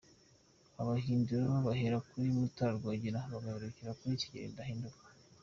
Abahindiro bahera kuri Mutara Rwogera, bagaherukira kuri Kigeli Ndahindurwa.